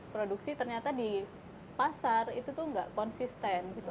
produksi ternyata di pasar itu tuh nggak konsisten gitu